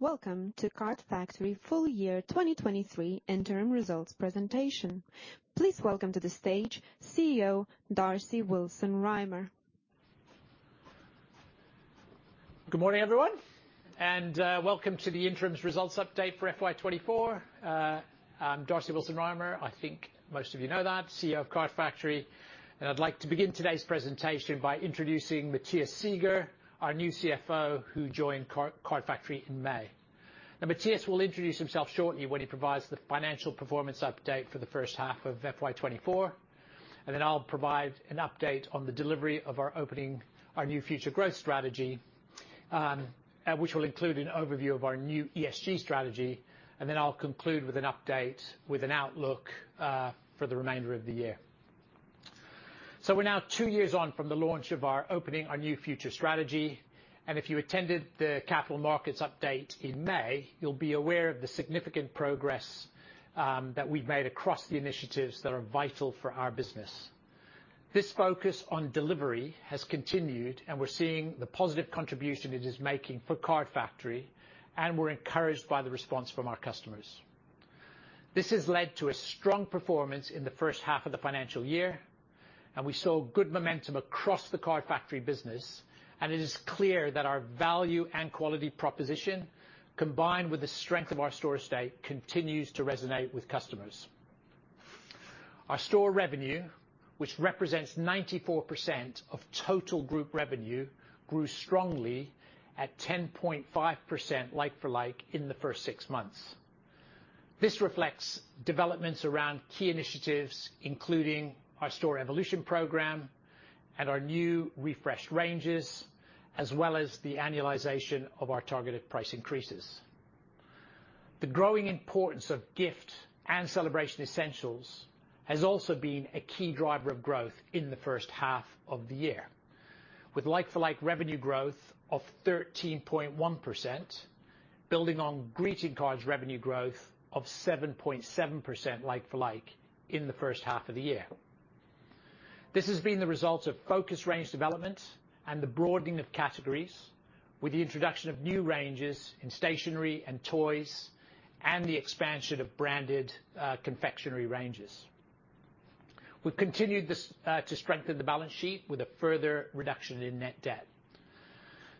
Welcome to Card Factory full year 2023 interim results presentation. Please welcome to the stage CEO, Darcy Willson-Rymer. Good morning, everyone, and welcome to the interim results update for FY 2024. I'm Darcy Willson-Rymer. I think most of you know that, CEO of Card Factory, and I'd like to begin today's presentation by introducing Matthias Seeger, our new CFO, who joined Card Factory in May. Now, Matthias will introduce himself shortly when he provides the financial performance update for the first half of FY 2024, and then I'll provide an update on the delivery of our Opening Our New Future growth strategy, which will include an overview of our new ESG strategy, and then I'll conclude with an update, with an outlook, for the remainder of the year. So we're now two years on from the launch of our Opening Our New Future strategy, and if you attended the capital markets update in May, you'll be aware of the significant progress that we've made across the initiatives that are vital for our business. This focus on delivery has continued, and we're seeing the positive contribution it is making for Card Factory, and we're encouraged by the response from our customers. This has led to a strong performance in the first half of the financial year, and we saw good momentum across the Card Factory business, and it is clear that our value and quality proposition, combined with the strength of our store estate, continues to resonate with customers. Our store revenue, which represents 94% of total group revenue, grew strongly at 10.5% like-for-like in the first six months. This reflects developments around key initiatives, including our Store Evolution Programme and our new refreshed ranges, as well as the annualization of our targeted price increases. The growing importance of gift and celebration essentials has also been a key driver of growth in the first half of the year, with like-for-like revenue growth of 13.1%, building on greeting cards revenue growth of 7.7% like-for-like in the first half of the year. This has been the result of focused range development and the broadening of categories, with the introduction of new ranges in stationery and toys, and the expansion of branded confectionery ranges. We've continued this to strengthen the balance sheet with a further reduction in net debt.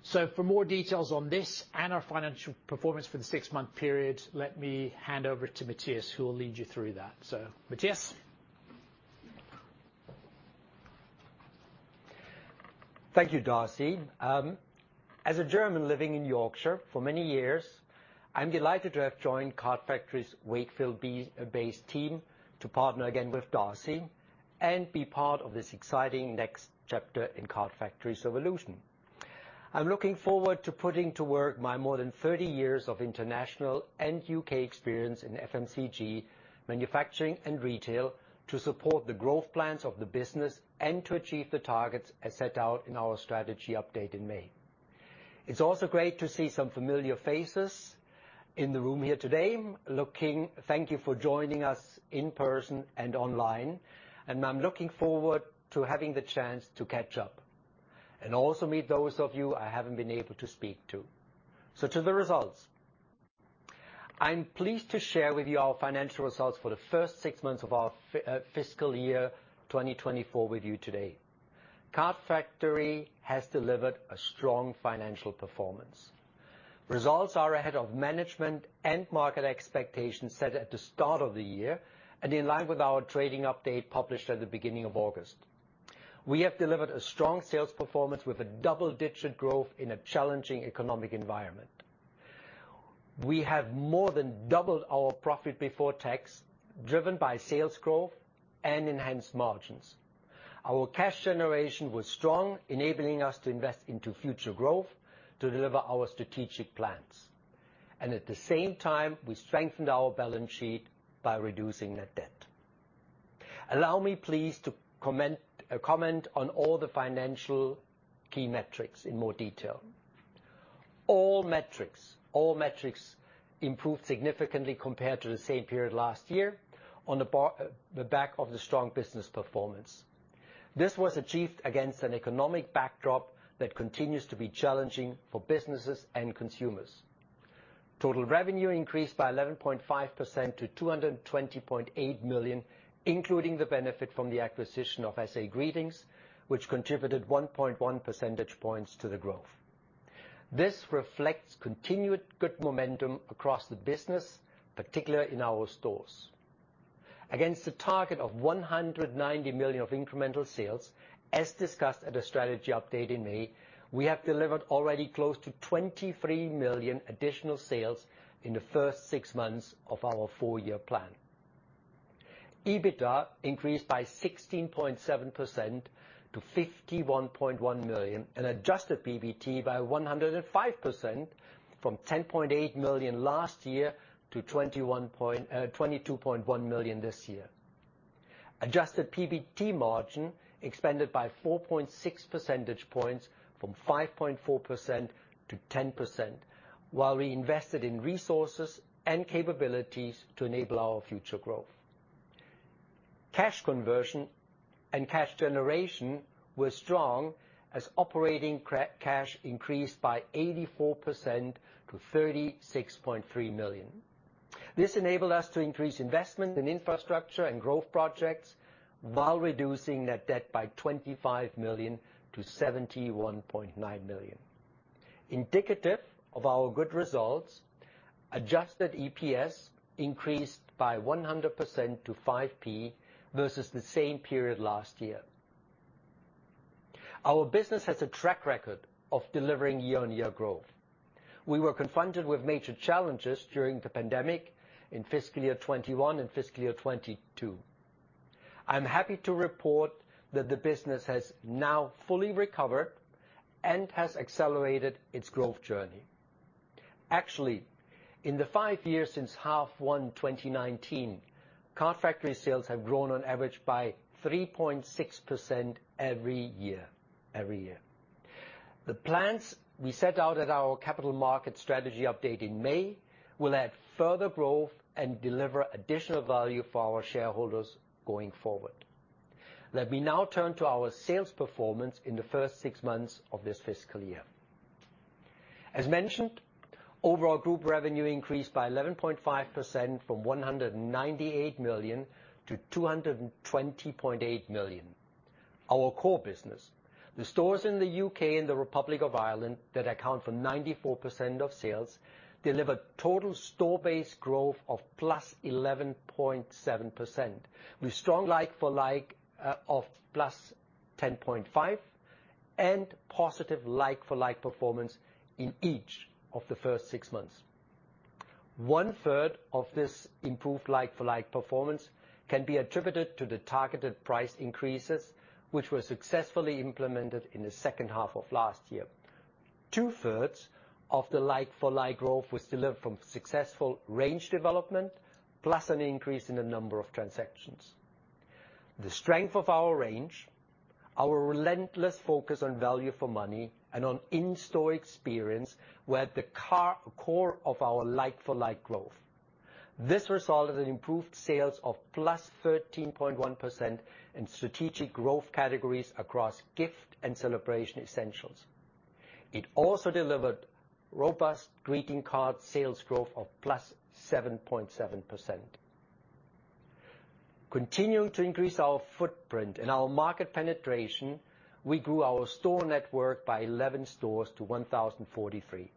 So for more details on this and our financial performance for the six-month period, let me hand over to Matthias, who will lead you through that. So, Matthias? Thank you, Darcy. As a German living in Yorkshire for many years, I'm delighted to have joined Card Factory's Wakefield-based team to partner again with Darcy and be part of this exciting next chapter in Card Factory's evolution. I'm looking forward to putting to work my more than 30 years of international and UK experience in FMCG, manufacturing, and retail to support the growth plans of the business and to achieve the targets as set out in our strategy update in May. It's also great to see some familiar faces in the room here today. Thank you for joining us in person and online, and I'm looking forward to having the chance to catch up, and also meet those of you I haven't been able to speak to. So to the results. I'm pleased to share with you our financial results for the first six months of our fiscal year 2024 with you today. Card Factory has delivered a strong financial performance. Results are ahead of management and market expectations set at the start of the year, and in line with our trading update published at the beginning of August. We have delivered a strong sales performance with a double-digit growth in a challenging economic environment. We have more than doubled our profit before tax, driven by sales growth and enhanced margins. Our cash generation was strong, enabling us to invest into future growth to deliver our strategic plans, and at the same time, we strengthened our balance sheet by reducing net debt. Allow me, please, to comment on all the financial key metrics in more detail. All metrics, all metrics improved significantly compared to the same period last year on the back of the strong business performance. This was achieved against an economic backdrop that continues to be challenging for businesses and consumers. Total revenue increased by 11.5% to 220.8 million, including the benefit from the acquisition of SA Greetings, which contributed 1.1 percentage points to the growth. This reflects continued good momentum across the business, particularly in our stores. Against a target of 190 million of incremental sales, as discussed at a strategy update in May, we have delivered already close to 23 million additional sales in the first six months of our four-year plan. EBITDA increased by 16.7% to 51.1 million, and adjusted PBT by 105%, from 10.8 million last year to twenty-two point one million this year. Adjusted PBT margin expanded by 4.6 percentage points, from 5.4% to 10%, while we invested in resources and capabilities to enable our future growth. Cash conversion and cash generation were strong as operating cash increased by 84% to 36.3 million. This enabled us to increase investment in infrastructure and growth projects, while reducing net debt by 25 million to 71.9 million. Indicative of our good results, adjusted EPS increased by 100% to 5p, versus the same period last year. Our business has a track record of delivering year-on-year growth. We were confronted with major challenges during the pandemic in fiscal year 2021 and fiscal year 2022. I'm happy to report that the business has now fully recovered and has accelerated its growth journey. Actually, in the five years since H1 2019, Card Factory sales have grown on average by 3.6% every year, every year. The plans we set out at our capital market strategy update in May will add further growth and deliver additional value for our shareholders going forward. Let me now turn to our sales performance in the first six months of this fiscal year. As mentioned, overall group revenue increased by 11.5% from 198 million to 220.8 million. Our core business, the stores in the UK and the Republic of Ireland, that account for 94% of sales, delivered total store-based growth of +11.7%, with strong like-for-like of +10.5% and positive like-for-like performance in each of the first six months. One third of this improved like-for-like performance can be attributed to the targeted price increases, which were successfully implemented in the second half of last year. Two-thirds of the like-for-like growth was delivered from successful range development, plus an increase in the number of transactions. The strength of our range, our relentless focus on value for money and on in-store experience, were at the core of our like-for-like growth. This resulted in improved sales of +13.1% in strategic growth categories across gift and celebration essentials. It also delivered robust greeting card sales growth of +7.7%. Continuing to increase our footprint and our market penetration, we grew our store network by 11 stores to 1,043.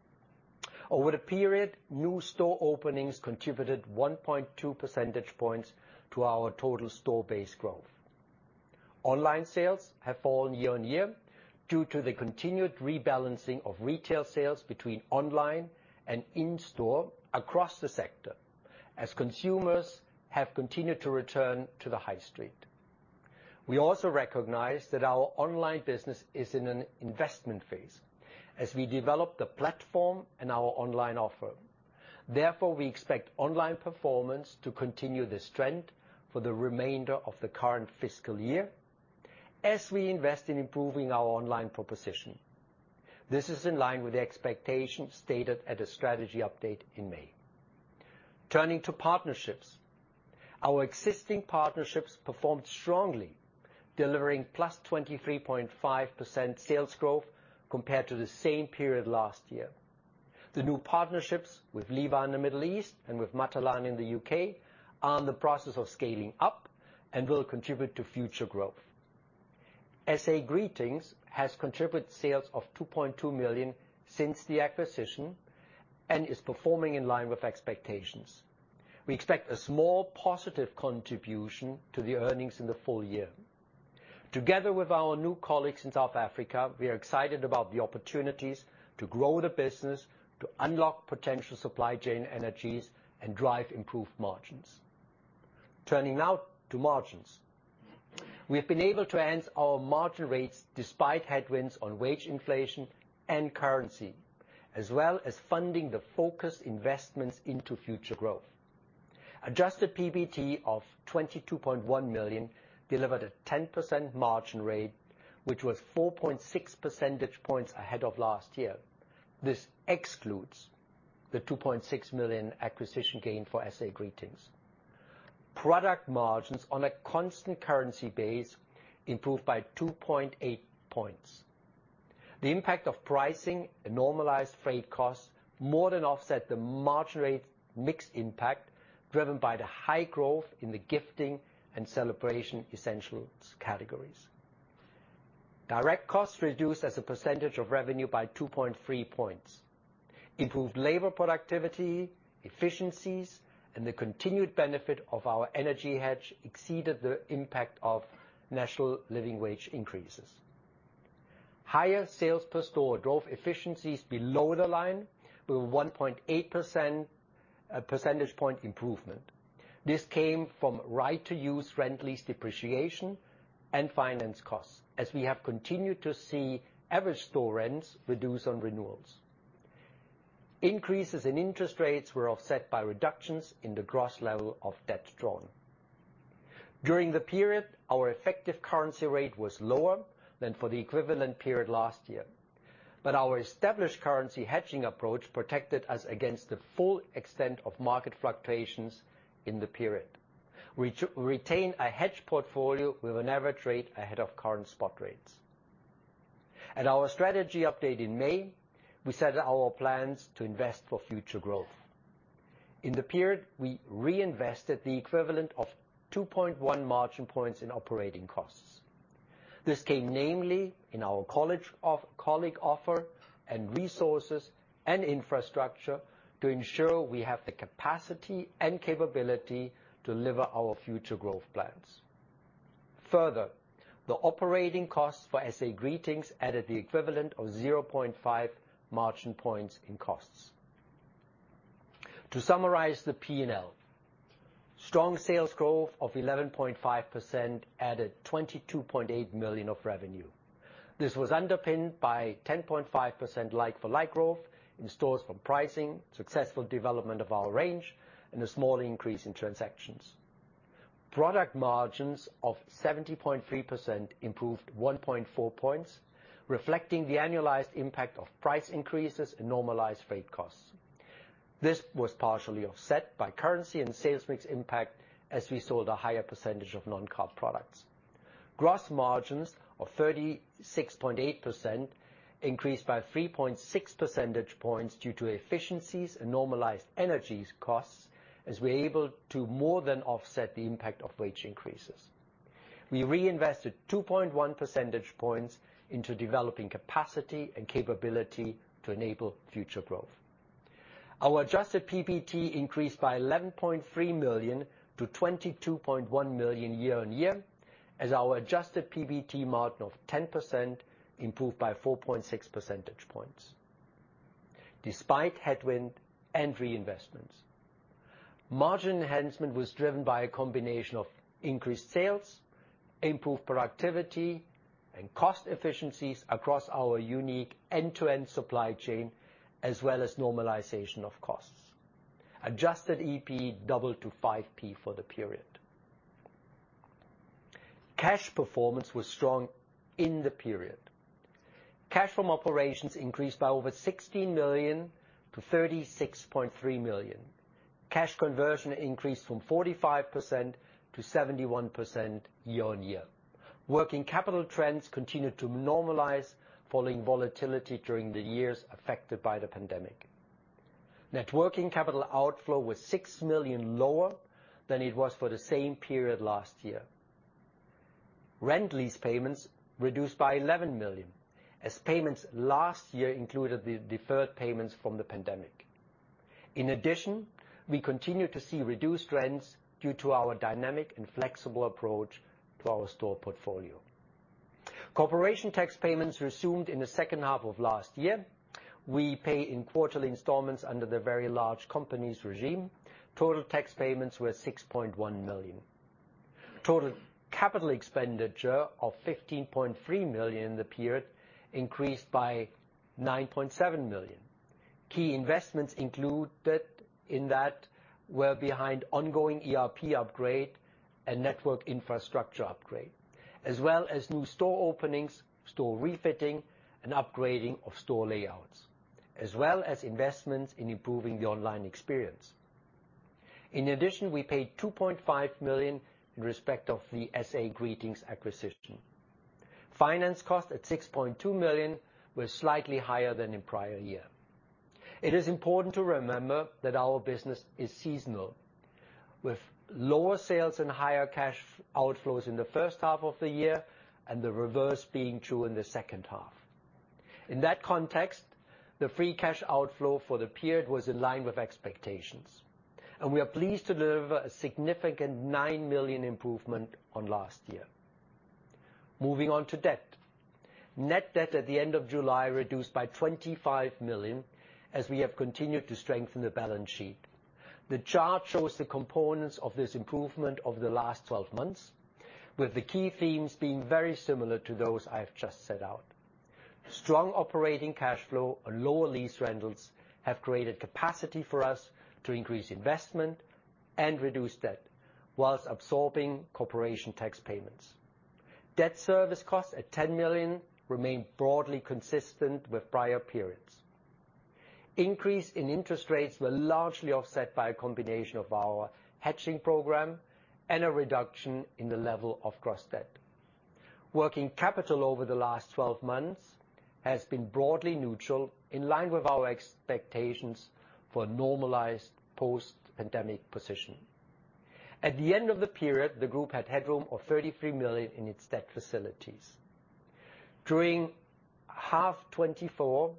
Over the period, new store openings contributed 1.2 percentage points to our total store-based growth. Online sales have fallen year-on-year due to the continued rebalancing of retail sales between online and in-store across the sector, as consumers have continued to return to the high street. We also recognize that our online business is in an investment phase as we develop the platform and our online offer. Therefore, we expect online performance to continue this trend for the remainder of the current fiscal year as we invest in improving our online proposition. This is in line with the expectations stated at a strategy update in May. Turning to partnerships. Our existing partnerships performed strongly, delivering +23.5% sales growth compared to the same period last year. The new partnerships with Liwa in the Middle East and with Matalan in the U.K., are in the process of scaling up and will contribute to future growth. SA Greetings has contributed sales of 2.2 million since the acquisition, and is performing in line with expectations. We expect a small positive contribution to the earnings in the full year. Together with our new colleagues in South Africa, we are excited about the opportunities to grow the business, to unlock potential supply chain synergies, and drive improved margins. Turning now to margins. We have been able to enhance our margin rates despite headwinds on wage inflation and currency, as well as funding the focused investments into future growth. Adjusted PBT of 22.1 million delivered a 10% margin rate, which was 4.6 percentage points ahead of last year. This excludes the 2.6 million acquisition gain for SA Greetings. Product margins on a constant currency base improved by 2.8 points. The impact of pricing and normalized freight costs more than offset the margin rate mix impact, driven by the high growth in the gifting and celebration essentials categories. Direct costs reduced as a percentage of revenue by 2.3 points. Improved labor productivity, efficiencies, and the continued benefit of our energy hedge exceeded the impact of national living wage increases. Higher sales per store drove efficiencies below the line with 1.8 percentage point improvement. This came from right to use rent, lease, depreciation, and finance costs, as we have continued to see average store rents reduce on renewals. Increases in interest rates were offset by reductions in the gross level of debt drawn. During the period, our effective currency rate was lower than for the equivalent period last year... but our established currency hedging approach protected us against the full extent of market fluctuations in the period. We retain a hedge portfolio we will never trade ahead of current spot rates. At our strategy update in May, we set our plans to invest for future growth. In the period, we reinvested the equivalent of 2.1 margin points in operating costs. This came namely in our colleague offer, and resources, and infrastructure to ensure we have the capacity and capability to deliver our future growth plans. Further, the operating costs for SA Greetings added the equivalent of 0.5 margin points in costs. To summarize the P&L, strong sales growth of 11.5% added 22.8 million of revenue. This was underpinned by 10.5% like-for-like growth in stores from pricing, successful development of our range, and a small increase in transactions. Product margins of 70.3% improved 1.4 points, reflecting the annualized impact of price increases and normalized freight costs. This was partially offset by currency and sales mix impact as we sold a higher percentage of non-card products. Gross margins of 36.8% increased by 3.6 percentage points due to efficiencies and normalized energy costs, as we are able to more than offset the impact of wage increases. We reinvested 2.1 percentage points into developing capacity and capability to enable future growth. Our adjusted PBT increased by 11.3 million to 22.1 million year-on-year, as our adjusted PBT margin of 10% improved by 4.6 percentage points, despite headwind and reinvestments. Margin enhancement was driven by a combination of increased sales, improved productivity, and cost efficiencies across our unique end-to-end supply chain, as well as normalization of costs. Adjusted EPS doubled to 5p for the period. Cash performance was strong in the period. Cash from operations increased by over 16 million to 36.3 million. Cash conversion increased from 45% to 71% year-on-year. Working capital trends continued to normalize following volatility during the years affected by the pandemic. Net working capital outflow was 6 million lower than it was for the same period last year. Rent lease payments reduced by 11 million, as payments last year included the deferred payments from the pandemic. In addition, we continued to see reduced rents due to our dynamic and flexible approach to our store portfolio. Corporation tax payments resumed in the second half of last year. We pay in quarterly installments under the very large companies regime. Total tax payments were 6.1 million. Total capital expenditure of 15.3 million in the period increased by 9.7 million. Key investments included in that were behind ongoing ERP upgrade and network infrastructure upgrade, as well as new store openings, store refitting, and upgrading of store layouts, as well as investments in improving the online experience. In addition, we paid 2.5 million in respect of the SA Greetings acquisition. Finance cost at 6.2 million was slightly higher than in prior year. It is important to remember that our business is seasonal, with lower sales and higher cash outflows in the first half of the year, and the reverse being true in the second half. In that context, the free cash outflow for the period was in line with expectations, and we are pleased to deliver a significant 9 million improvement on last year. Moving on to debt. Net debt at the end of July reduced by 25 million as we have continued to strengthen the balance sheet. The chart shows the components of this improvement over the last 12 months, with the key themes being very similar to those I have just set out. Strong operating cash flow and lower lease rentals have created capacity for us to increase investment and reduce debt, while absorbing corporation tax payments. Debt service costs at 10 million remain broadly consistent with prior periods. Increase in interest rates were largely offset by a combination of our hedging program and a reduction in the level of gross debt. Working capital over the last 12 months has been broadly neutral, in line with our expectations for normalized post-pandemic position. At the end of the period, the group had headroom of 33 million in its debt facilities. During half 2024,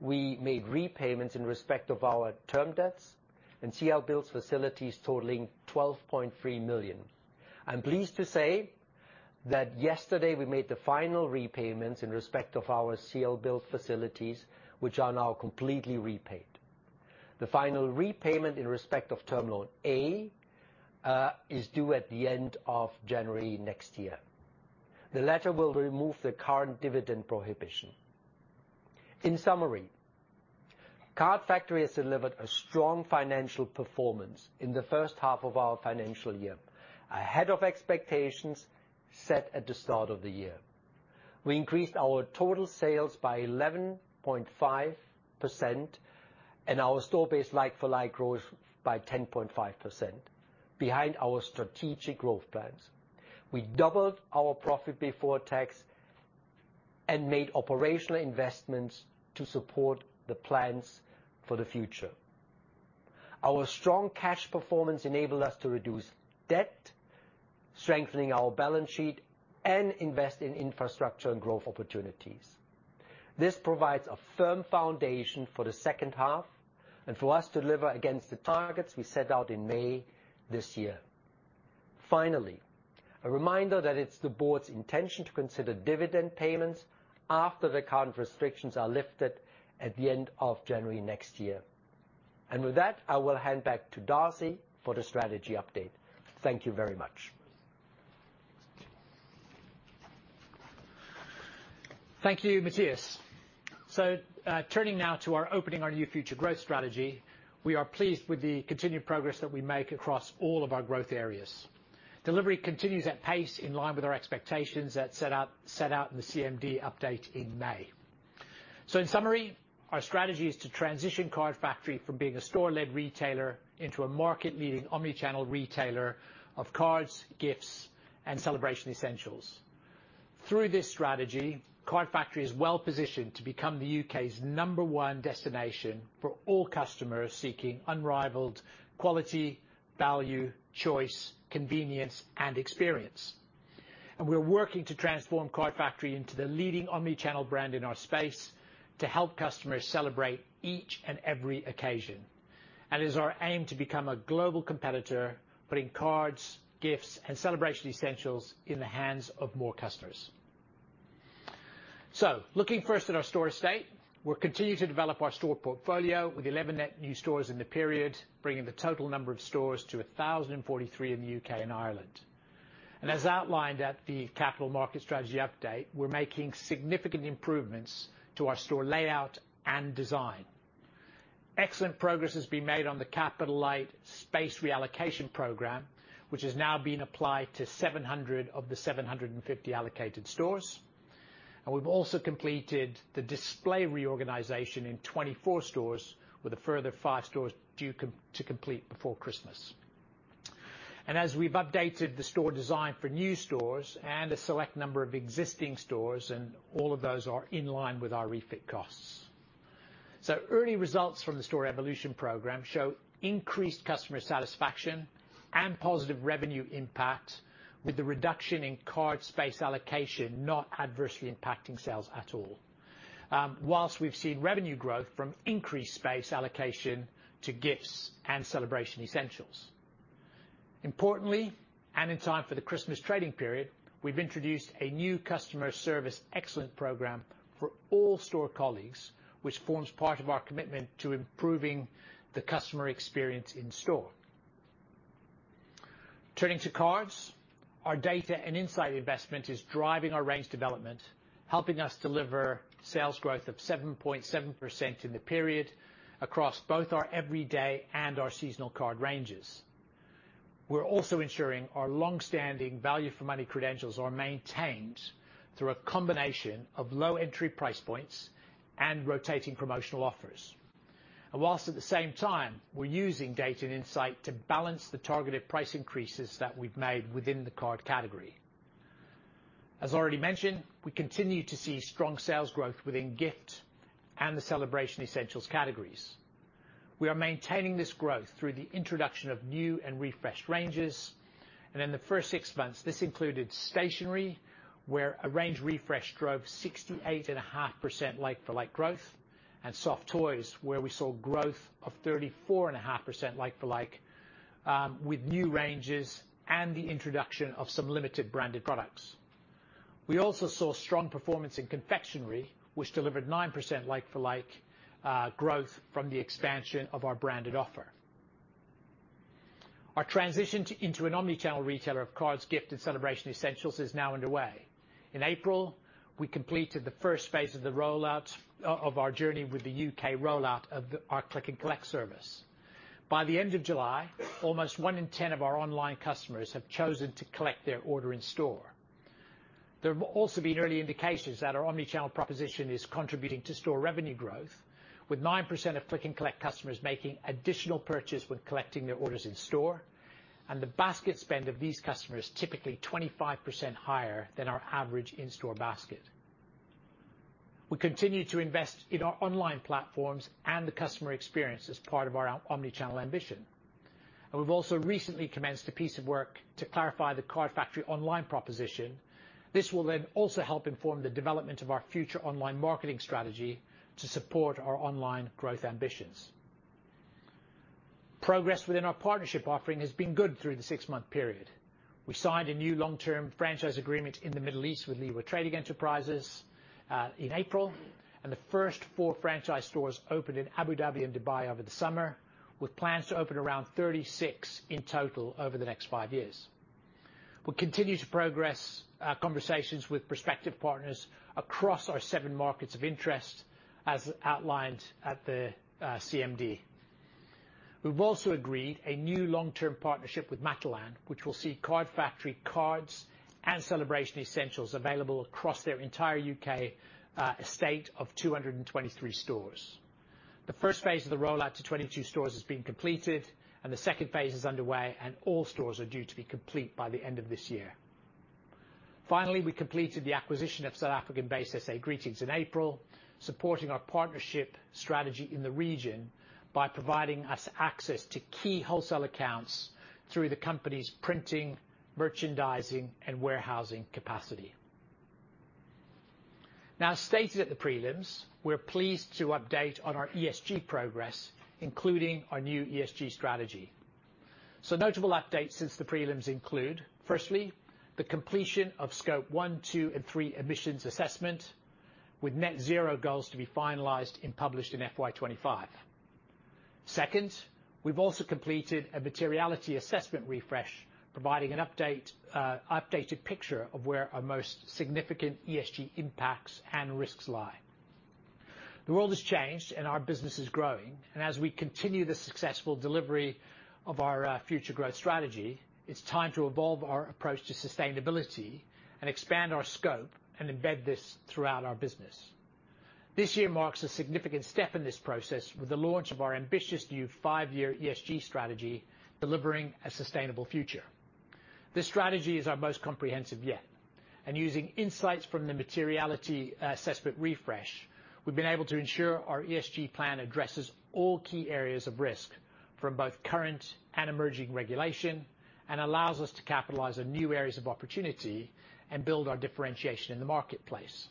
we made repayments in respect of our term debts and CLBILS facilities totaling 12.3 million. I'm pleased to say that yesterday, we made the final repayments in respect of our CLBILS facilities, which are now completely repaid. The final repayment in respect of Term Loan A is due at the end of January next year. The latter will remove the current dividend prohibition. In summary... Card Factory has delivered a strong financial performance in the first half of our financial year, ahead of expectations set at the start of the year. We increased our total sales by 11.5%, and our store-based like-for-like growth by 10.5%, behind our strategic growth plans. We doubled our profit before tax and made operational investments to support the plans for the future. Our strong cash performance enabled us to reduce debt, strengthening our balance sheet, and invest in infrastructure and growth opportunities. This provides a firm foundation for the second half, and for us to deliver against the targets we set out in May this year. Finally, a reminder that it's the board's intention to consider dividend payments after the current restrictions are lifted at the end of January next year. And with that, I will hand back to Darcy for the strategy update. Thank you very much. Thank you, Matthias. So, turning now to our Opening Our New Future growth strategy, we are pleased with the continued progress that we make across all of our growth areas. Delivery continues at pace, in line with our expectations that set out in the CMD update in May. In summary, our strategy is to transition Card Factory from being a store-led retailer into a market-leading, Omni-channel retailer of cards, gifts, and celebration essentials. Through this strategy, Card Factory is well-positioned to become the UK's number one destination for all customers seeking unrivaled quality, value, choice, convenience, and experience. We're working to transform Card Factory into the leading Omni-channel brand in our space to help customers celebrate each and every occasion. It is our aim to become a global competitor, putting cards, gifts, and celebration essentials in the hands of more customers. So looking first at our store estate, we'll continue to develop our store portfolio with 11 net new stores in the period, bringing the total number of stores to 1,043 in the UK and Ireland. As outlined at the capital market strategy update, we're making significant improvements to our store layout and design. Excellent progress has been made on the capital-light space reallocation program, which is now being applied to 700 of the 750 allocated stores. We've also completed the display reorganization in 24 stores, with a further five stores due to complete before Christmas. As we've updated the store design for new stores and a select number of existing stores, and all of those are in line with our refit costs. Early results from the Store Evolution Program show increased customer satisfaction and positive revenue impact, with the reduction in card space allocation not adversely impacting sales at all. While we've seen revenue growth from increased space allocation to gifts and celebration essentials. Importantly, and in time for the Christmas trading period, we've introduced a new customer service excellence program for all store colleagues, which forms part of our commitment to improving the customer experience in store. Turning to cards, our data and insight investment is driving our range development, helping us deliver sales growth of 7.7% in the period across both our everyday and our seasonal card ranges. We're also ensuring our long-standing value for money credentials are maintained through a combination of low entry price points and rotating promotional offers. While at the same time, we're using data and insight to balance the targeted price increases that we've made within the card category. As already mentioned, we continue to see strong sales growth within gift and the celebration essentials categories. We are maintaining this growth through the introduction of new and refreshed ranges, and in the first six months, this included stationery, where a range refresh drove 68.5% like-for-like growth, and soft toys, where we saw growth of 34.5% like-for-like with new ranges and the introduction of some limited branded products. We also saw strong performance in confectionery, which delivered 9% like-for-like growth from the expansion of our branded offer. Our transition into an omni-channel retailer of cards, gift, and celebration essentials is now underway. In April, we completed the first phase of the rollout of our journey with the UK rollout of our Click and Collect service. By the end of July, almost one in ten of our online customers have chosen to collect their order in store. There have also been early indications that our omni-channel proposition is contributing to store revenue growth, with 9% of Click and Collect customers making additional purchase when collecting their orders in store, and the basket spend of these customers typically 25% higher than our average in-store basket. We continue to invest in our online platforms and the customer experience as part of our omni-channel ambition, and we've also recently commenced a piece of work to clarify the Card Factory online proposition. This will then also help inform the development of our future online marketing strategy to support our online growth ambitions. Progress within our partnership offering has been good through the six-month period. We signed a new long-term franchise agreement in the Middle East with Liwa Trading Enterprises in April, and the first 4 franchise stores opened in Abu Dhabi and Dubai over the summer, with plans to open around 36 in total over the next five years. We'll continue to progress conversations with prospective partners across our 7 markets of interest, as outlined at the CMD. We've also agreed a new long-term partnership with Matalan, which will see Card Factory cards and celebration essentials available across their entire UK estate of 223 stores. The first phase of the rollout to 22 stores has been completed, and the second phase is underway, and all stores are due to be complete by the end of this year. Finally, we completed the acquisition of South African-based SA Greetings in April, supporting our partnership strategy in the region by providing us access to key wholesale accounts through the company's printing, merchandising, and warehousing capacity. Now, as stated at the prelims, we're pleased to update on our ESG progress, including our new ESG strategy. So notable updates since the prelims include, firstly, the completion of Scope 1, 2, and 3 emissions assessment, with net zero goals to be finalized and published in FY 25. Second, we've also completed a materiality assessment refresh, providing an updated picture of where our most significant ESG impacts and risks lie. The world has changed, and our business is growing, and as we continue the successful delivery of our future growth strategy, it's time to evolve our approach to sustainability and expand our scope and embed this throughout our business. This year marks a significant step in this process with the launch of our ambitious new five-year ESG strategy, Delivering a Sustainable Future. This strategy is our most comprehensive yet, and using insights from the materiality assessment refresh, we've been able to ensure our ESG plan addresses all key areas of risk from both current and emerging regulation, and allows us to capitalize on new areas of opportunity and build our differentiation in the marketplace.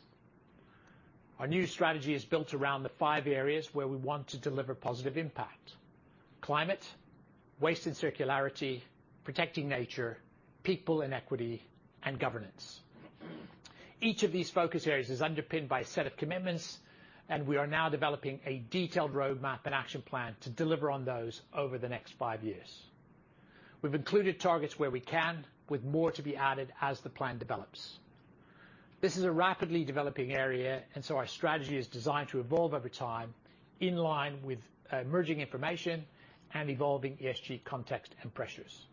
Our new strategy is built around the five areas where we want to deliver positive impact: climate, waste and circularity, protecting nature, people and equity, and governance. Each of these focus areas is underpinned by a set of commitments, and we are now developing a detailed roadmap and action plan to deliver on those over the next five years. We've included targets where we can, with more to be added as the plan develops. This is a rapidly developing area, and so our strategy is designed to evolve over time, in line with emerging information and evolving ESG context and pressures.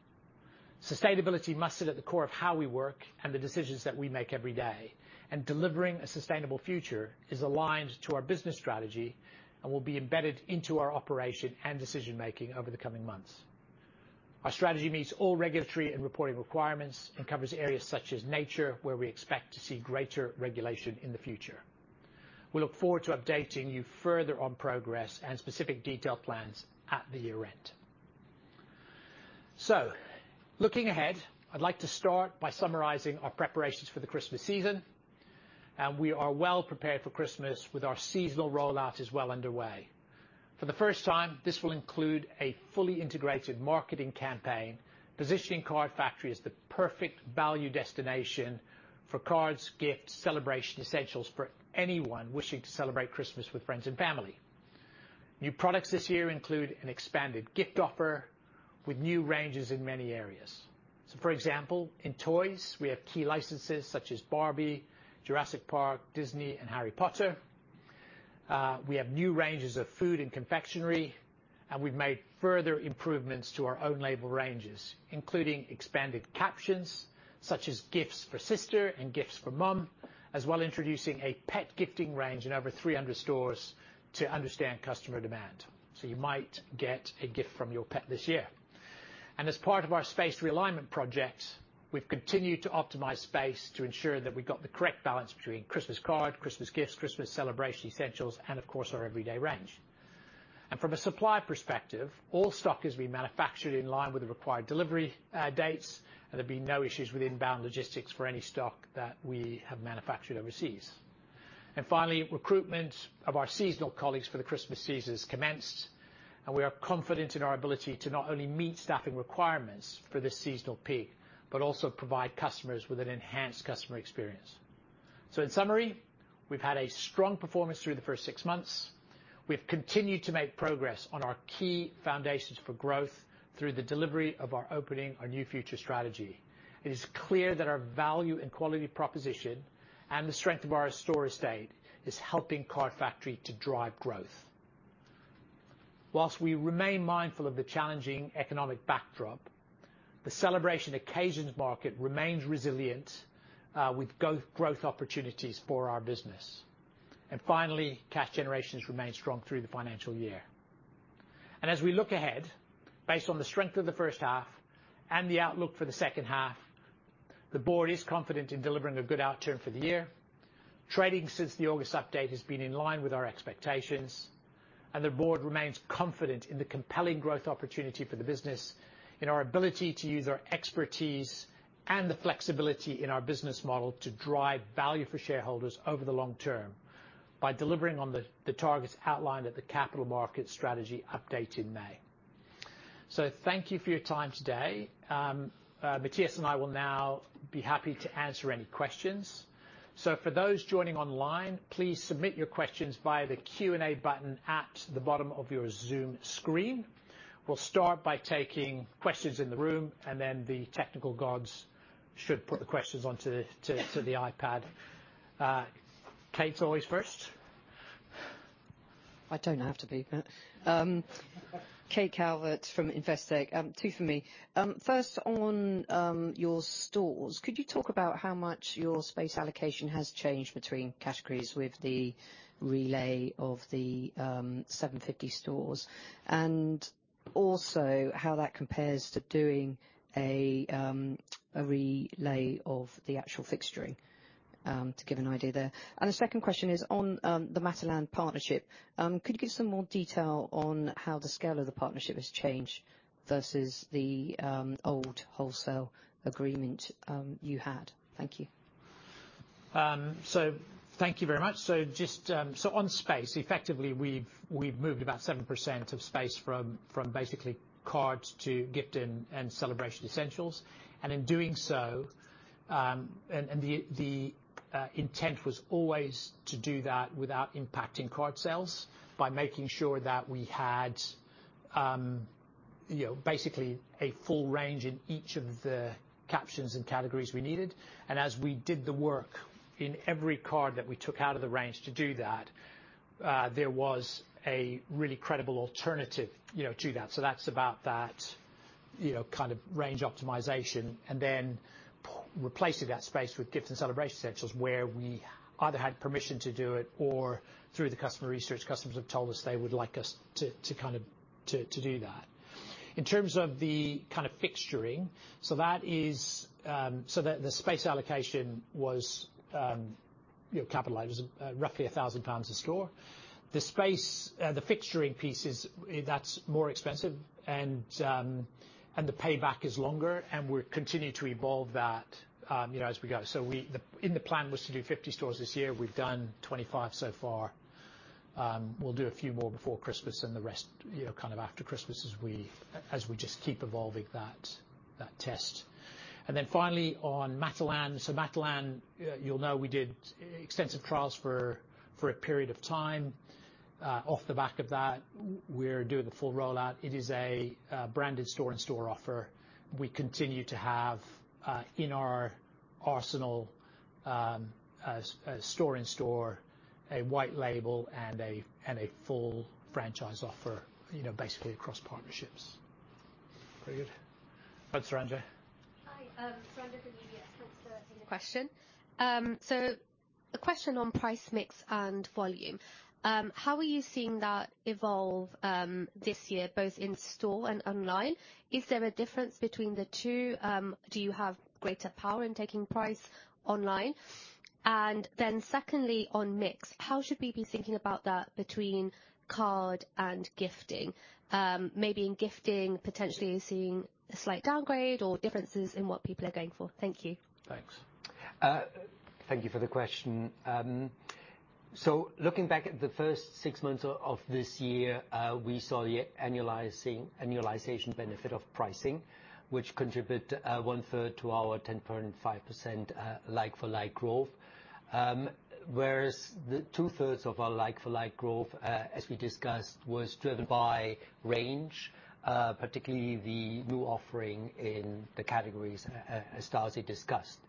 Sustainability must sit at the core of how we work and the decisions that we make every day, and Delivering a Sustainable Future is aligned to our business strategy and will be embedded into our operation and decision making over the coming months. Our strategy meets all regulatory and reporting requirements and covers areas such as nature, where we expect to see greater regulation in the future. We look forward to updating you further on progress and specific detailed plans at the year-end. So, looking ahead, I'd like to start by summarizing our preparations for the Christmas season, and we are well prepared for Christmas, with our seasonal rollout is well underway. For the first time, this will include a fully integrated marketing campaign, positioning Card Factory as the perfect value destination for cards, gifts, celebration essentials for anyone wishing to celebrate Christmas with friends and family. New products this year include an expanded gift offer with new ranges in many areas. So, for example, in toys, we have key licenses such as Barbie, Jurassic Park, Disney, and Harry Potter. We have new ranges of food and confectionery, and we've made further improvements to our own label ranges, including expanded captions, such as Gifts for Sister and Gifts for Mum, as well introducing a pet gifting range in over 300 stores to understand customer demand. So you might get a gift from your pet this year. And as part of our space realignment project, we've continued to optimize space to ensure that we've got the correct balance between Christmas card, Christmas gifts, Christmas celebration essentials, and of course, our everyday range. And from a supply perspective, all stock has been manufactured in line with the required delivery dates, and there'll be no issues with inbound logistics for any stock that we have manufactured overseas. And finally, recruitment of our seasonal colleagues for the Christmas season has commenced, and we are confident in our ability to not only meet staffing requirements for this seasonal peak, but also provide customers with an enhanced customer experience. So in summary, we've had a strong performance through the first six months. We've continued to make progress on our key foundations for growth through the delivery of our opening, our new future strategy. It is clear that our value and quality proposition, and the strength of our store estate, is helping Card Factory to drive growth. While we remain mindful of the challenging economic backdrop, the celebration occasions market remains resilient, with growth opportunities for our business. And finally, cash generations remain strong through the financial year. And as we look ahead, based on the strength of the first half and the outlook for the second half, the board is confident in delivering a good outturn for the year. Trading since the August update has been in line with our expectations, and the board remains confident in the compelling growth opportunity for the business, in our ability to use our expertise and the flexibility in our business model to drive value for shareholders over the long term by delivering on the targets outlined at the capital market strategy update in May. So thank you for your time today. Matthias and I will now—We'll be happy to answer any questions. So for those joining online, please submit your questions via the Q&A button at the bottom of your Zoom screen. We'll start by taking questions in the room, and then the technical gods should put the questions onto the iPad. Kate's always first. I don't have to be, but, Kate Calvert from Investec. Two for me. First, on your stores, could you talk about how much your space allocation has changed between categories with the refit of the 750 stores? And also, how that compares to doing a refit of the actual fixturing, to give an idea there. And the second question is on the Matalan partnership. Could you give some more detail on how the scale of the partnership has changed versus the old wholesale agreement you had? Thank you. So thank you very much. So just, so on space, effectively, we've we've moved about 7% of space from, from basically card to gift and, and celebration essentials. And in doing so, and, and the, the intent was always to do that without impacting card sales, by making sure that we had, you know, basically a full range in each of the captions and categories we needed. And as we did the work in every card that we took out of the range to do that, there was a really credible alternative, you know, to that. So that's about that, you know, kind of range optimization, and then replacing that space with gift and celebration essentials, where we either had permission to do it or through the customer research, customers have told us they would like us to kind of do that. In terms of the kind of fixturing. The space allocation was, you know, capitalized, roughly 1,000 pounds a store. The fixturing piece is that's more expensive, and the payback is longer, and we're continuing to evolve that, you know, as we go. So in the plan was to do 50 stores this year. We've done 25 so far. We'll do a few more before Christmas and the rest, you know, kind of after Christmas as we just keep evolving that test. Then finally, on Matalan. So Matalan, you'll know, we did extensive trials for a period of time. Off the back of that, we're doing the full rollout. It is a branded store and store offer. We continue to have in our arsenal a store in store, a white label, and a full franchise offer, you know, basically across partnerships. Very good. Thanks, Sreedhar. Hi, Sreedhar from UBS. Thanks for the question. So a question on price, mix, and volume. How are you seeing that evolve this year, both in store and online? Is there a difference between the two? Do you have greater power in taking price online? And then secondly, on mix, how should we be thinking about that between card and gifting? Maybe in gifting, potentially seeing a slight downgrade or differences in what people are going for. Thank you. Thanks. Thank you for the question. So looking back at the first six months of this year, we saw the annualization benefit of pricing, which contribute one third to our 10.5% like-for-like growth. Whereas the two thirds of our like-for-like growth, as we discussed, was driven by range, particularly the new offering in the categories as Darcy discussed.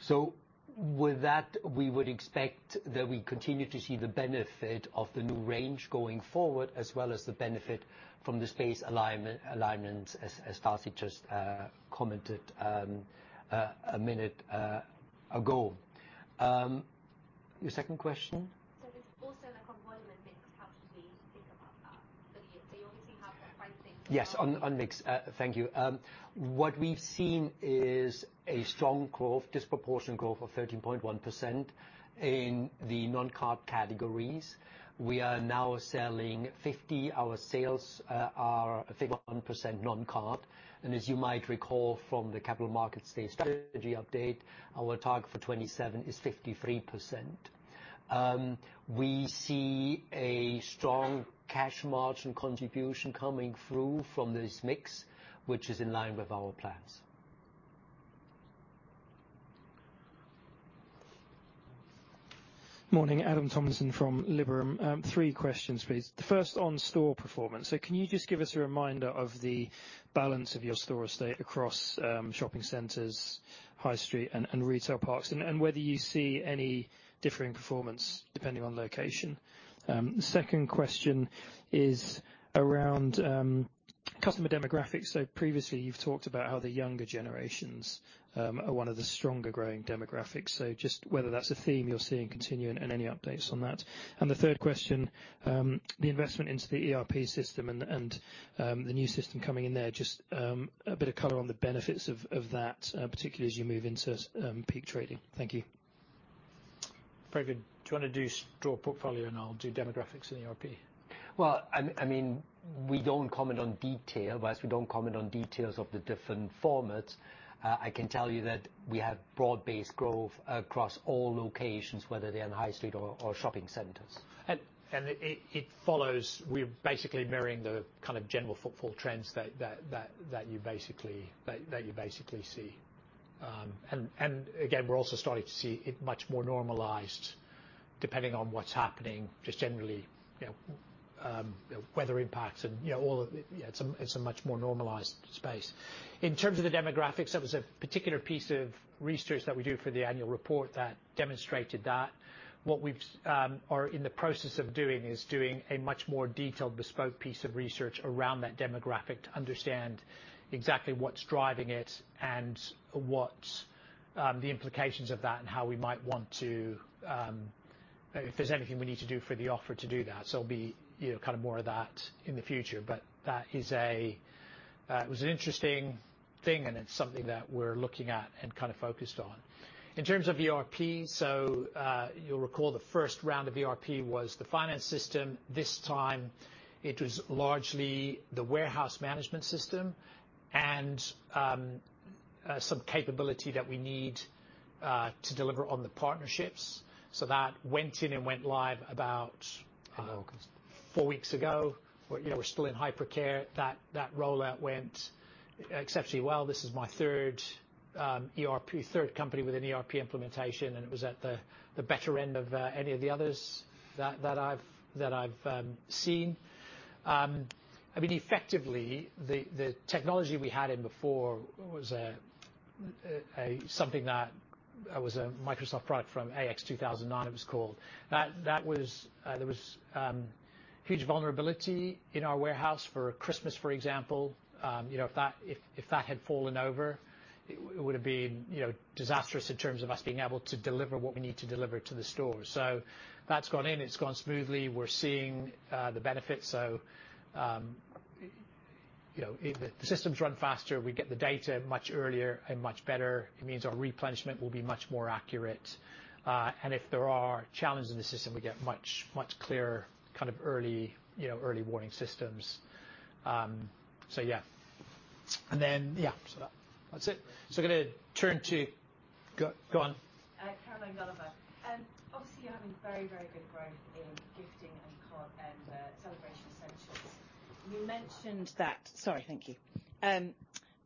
So with that, we would expect that we continue to see the benefit of the new range going forward, as well as the benefit from the space alignment as Darcy just commented a minute ago. Your second question? So there's also, like, on volume and mix, how should we think about that for the year? So you obviously have the pricing- Yes, on, on mix. Thank you. What we've seen is a strong growth, disproportionate growth of 13.1% in the non-card categories. We are now selling fifty... Our sales are 51% non-card. And as you might recall from the Capital Markets Day strategy update, our target for 2027 is 53%. We see a strong cash margin contribution coming through from this mix, which is in line with our plans. Morning, Adam Tomlinson from Liberum. Three questions, please. The first on store performance. So can you just give us a reminder of the balance of your store estate across shopping centers, high street, and retail parks, and whether you see any differing performance depending on location? The second question is around customer demographics. So previously, you've talked about how the younger generations are one of the stronger growing demographics. So just whether that's a theme you're seeing continuing and any updates on that. And the third question, the investment into the ERP system and the new system coming in there, just a bit of color on the benefits of that, particularly as you move into peak trading. Thank you. Very good. Do you wanna do store portfolio, and I'll do demographics and ERP? Well, I mean, we don't comment on detail. Whereas we don't comment on details of the different formats, I can tell you that we have broad-based growth across all locations, whether they're in high street or shopping centers. And it follows, we're basically mirroring the kind of general footfall trends that you basically see... And again, we're also starting to see it much more normalized, depending on what's happening, just generally, you know, weather impacts and, you know, all of it. Yeah, it's a much more normalized space. In terms of the demographics, that was a particular piece of research that we do for the annual report that demonstrated that. What we're in the process of doing is doing a much more detailed, bespoke piece of research around that demographic to understand exactly what's driving it and what the implications of that and how we might want to, if there's anything we need to do for the offer to do that. So it'll be, you know, kind of more of that in the future. But that is a, it was an interesting thing, and it's something that we're looking at and kind of focused on. In terms of ERP, so, you'll recall the first round of ERP was the finance system. This time, it was largely the warehouse management system and, some capability that we need, to deliver on the partnerships. So that went in and went live about, Four weeks. Four weeks ago. But yeah, we're still in hypercare. That rollout went exceptionally well. This is my third ERP, third company with an ERP implementation, and it was at the better end of any of the others that I've seen. I mean, effectively, the technology we had in before was something that was a Microsoft product from AX 2009, it was called. That was, there was huge vulnerability in our warehouse for Christmas, for example. You know, if that had fallen over, it would have been, you know, disastrous in terms of us being able to deliver what we need to deliver to the store. So that's gone in, it's gone smoothly. We're seeing the benefits, so you know, the systems run faster, we get the data much earlier and much better. It means our replenishment will be much more accurate. And if there are challenges in the system, we get much, much clearer, kind of early, you know, early warning systems. So yeah. And then, yeah, so that, that's it. So I'm going to turn to... Go, go on. Caroline Gulliver. Obviously, you're having very, very good growth in gifting and card and celebration essentials. You mentioned that... Sorry, thank you.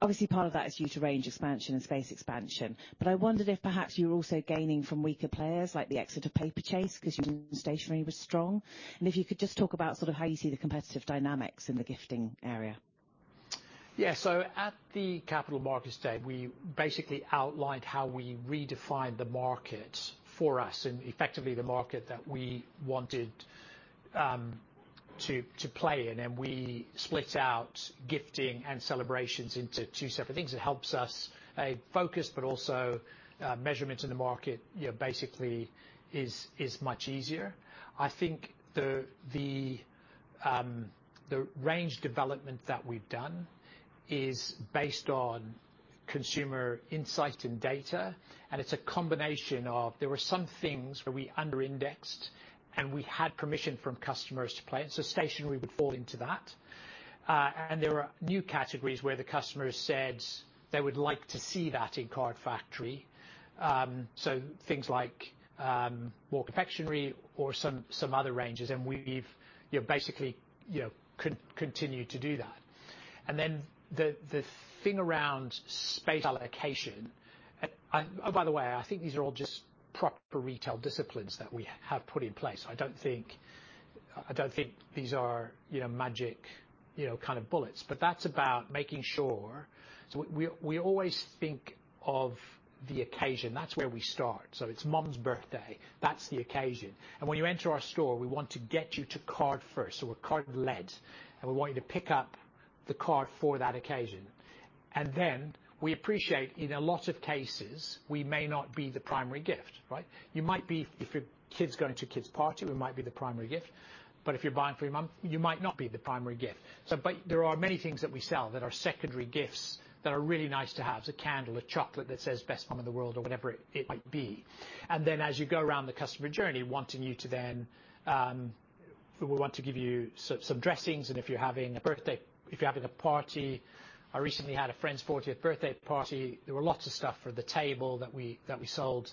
Obviously, part of that is due to range expansion and space expansion, but I wondered if perhaps you're also gaining from weaker players, like the exit of Paperchase, because your stationery was strong. And if you could just talk about sort of how you see the competitive dynamics in the gifting area. Yeah. So at the Capital Markets Day, we basically outlined how we redefined the market for us and effectively the market that we wanted to play in. And we split out gifting and celebrations into two separate things. It helps us, A, focus, but also measurement in the market, you know, basically is much easier. I think the range development that we've done is based on consumer insight and data, and it's a combination of there were some things where we under-indexed, and we had permission from customers to play, and so stationery would fall into that. And there were new categories where the customer said they would like to see that in Card Factory. So things like more confectionery or some other ranges, and we've, you know, basically, you know, continued to do that. And then the thing around space allocation, and, oh, by the way, I think these are all just proper retail disciplines that we have put in place. I don't think these are, you know, magic, you know, kind of bullets, but that's about making sure... So we always think of the occasion. That's where we start. So it's mom's birthday, that's the occasion. And when you enter our store, we want to get you to card first, so we're card-led, and we want you to pick up the card for that occasion. And then we appreciate, in a lot of cases, we may not be the primary gift, right? You might be, if your kid's going to a kid's party, we might be the primary gift, but if you're buying for your mom, you might not be the primary gift. But there are many things that we sell that are secondary gifts that are really nice to have. It's a candle, a chocolate that says, "Best mom in the world," or whatever it might be. And then, as you go around the customer journey, wanting you to then, we want to give you some dressings and if you're having a birthday, if you're having a party. I recently had a friend's fortieth birthday party. There were lots of stuff for the table that we sold.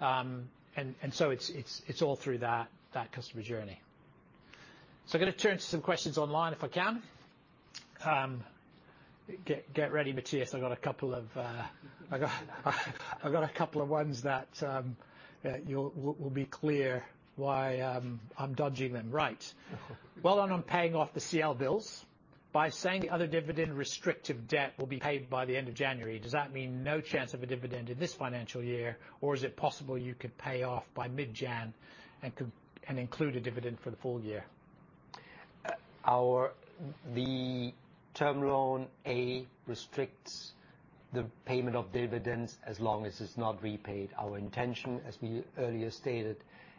And so it's all through that customer journey. So I'm going to turn to some questions online, if I can. Get ready, Matthias. I've got a couple of ones that it'll be clear why I'm dodging them. Right. Well done on paying off the CLBILS. By saying the other dividend restrictive debt will be paid by the end of January, does that mean no chance of a dividend in this financial year, or is it possible you could pay off by mid-Jan and include a dividend for the full year? The Term Loan A restricts the payment of dividends as long as it's not repaid. Our intention, as we earlier stated,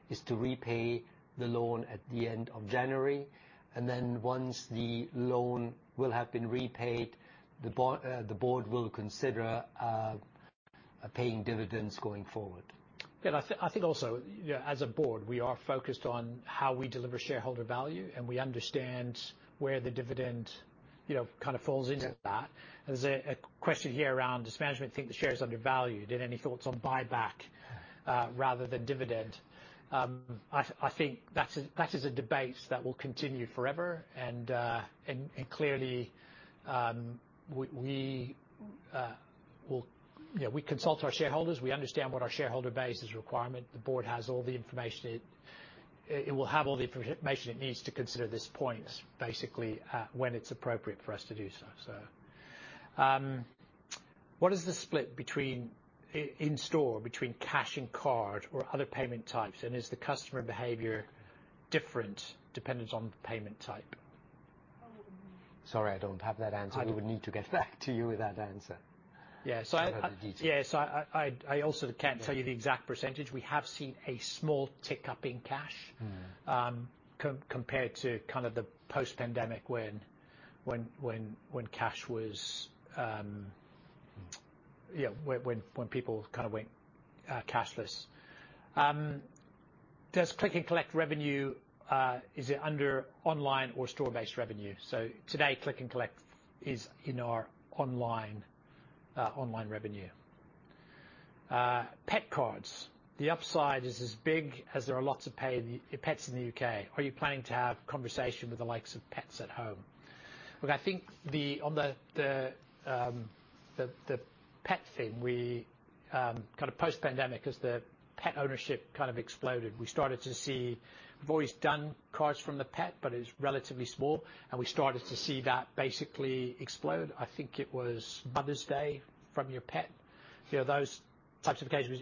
is to repay the loan at the end of January, and then once the loan will have been repaid, the board will consider paying dividends going forward. Yeah, I think also, you know, as a board, we are focused on how we deliver shareholder value, and we understand where the dividend, you know, kind of falls into that. Yeah. There's a question here around, does management think the share is undervalued, and any thoughts on buyback rather than dividend? I think that is a debate that will continue forever, and clearly, Well, you know, we consult our shareholders, we understand what our shareholder base's requirement. The board has all the information it will have all the information it needs to consider this point, basically, when it's appropriate for us to do so. So, what is the split between in store, between cash and card or other payment types? And is the customer behavior different dependent on the payment type? Sorry, I don't have that answer. I don't- We would need to get back to you with that answer. Yeah. So I have the details. Yes, I also can't tell you the exact percentage. We have seen a small tick-up in cash. Compared to kind of the post-pandemic, when cash was, yeah, when people kind of went cashless. Does Click and Collect revenue is it under online or store-based revenue? So today, Click and Collect is in our online online revenue. Pet cards, the upside is as big as there are lots of pets in the UK. Are you planning to have conversation with the likes of Pets at Home? Look, I think on the pet thing, we kind of post-pandemic, as the pet ownership kind of exploded, we started to see... We've always done cards from the pet, but it's relatively small, and we started to see that basically explode. I think it was Mother's Day from your pet. You know, those types of occasions,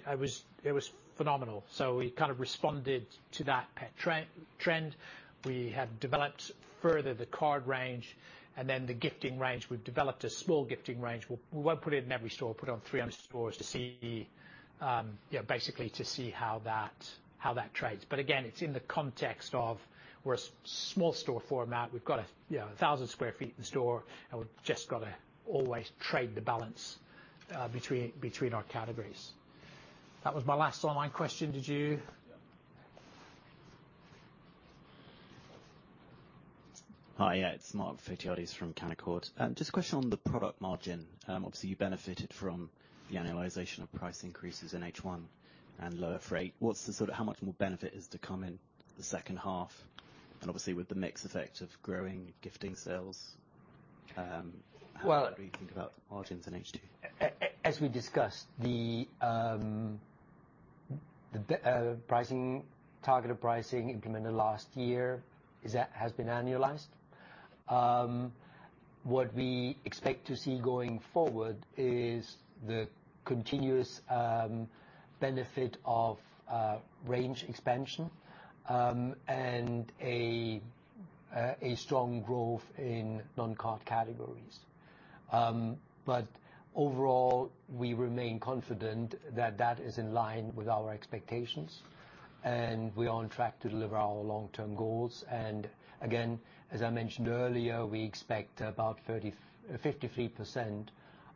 it was phenomenal. So we kind of responded to that pet trend, trend. We have developed further the card range and then the gifting range. We've developed a small gifting range. We won't put it in every store, put it on 300 stores to see, yeah, basically to see how that, how that trades. But again, it's in the context of we're a small store format. We've got, you know, 1,000 sq ft in store, and we've just got to always trade the balance between our categories. That was my last online question. Did you- Hi, yeah, it's Mark Photiades from Canaccord. Just a question on the product margin. Obviously, you benefited from the annualization of price increases in H1 and lower freight. What's the- how much more benefit is to come in the second half? And obviously, with the mix effect of growing gifting sales, Well- How do you think about margins in H2? As we discussed, the targeted pricing implemented last year has been annualized. What we expect to see going forward is the continuous benefit of range expansion and a strong growth in non-card categories. But overall, we remain confident that that is in line with our expectations, and we are on track to deliver our long-term goals. And again, as I mentioned earlier, we expect about 53%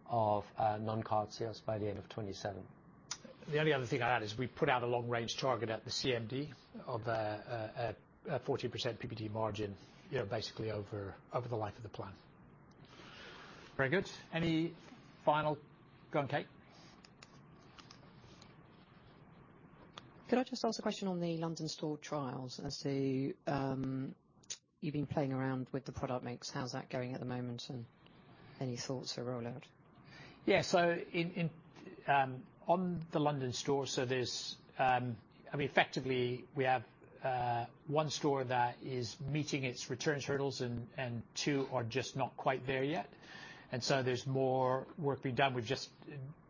of non-card sales by the end of 2027. The only other thing I'd add is we put out a long-range target at the CMD of a 40% PBT margin, you know, basically over the life of the plan. Very good. Any final... Go on, Kate. Could I just ask a question on the London store trials? I see, you've been playing around with the product mix. How's that going at the moment, and any thoughts for rollout? Yeah. So on the London store, so there's, I mean, effectively, we have one store that is meeting its returns hurdles and two are just not quite there yet. And so there's more work being done. We've just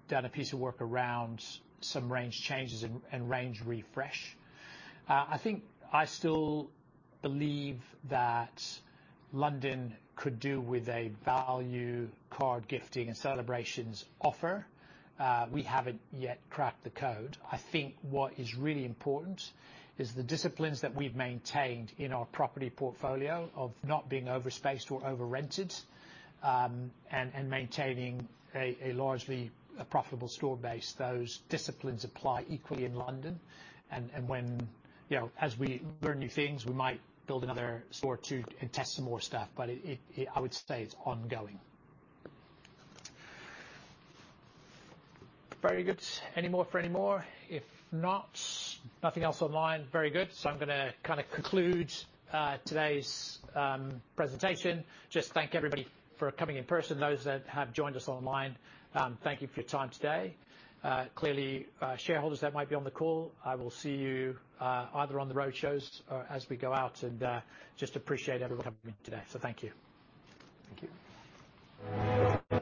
done a piece of work around some range changes and range refresh. I think I still believe that London could do with a value card gifting and celebrations offer. We haven't yet cracked the code. I think what is really important is the disciplines that we've maintained in our property portfolio of not being over spaced or over rented and maintaining a largely profitable store base. Those disciplines apply equally in London. When, you know, as we learn new things, we might build another store or two and test some more stuff, but I would say it's ongoing. Very good. Any more for any more? If not, nothing else online. Very good. So I'm going to kind of conclude today's presentation. Just thank everybody for coming in person. Those that have joined us online, thank you for your time today. Clearly, shareholders that might be on the call, I will see you either on the roadshows or as we go out, and just appreciate everyone coming in today. So thank you. Thank you.